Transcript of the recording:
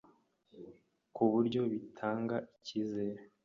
ku buryo bitanga icyizere